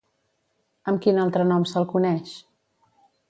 Amb quin altre nom se'l coneix?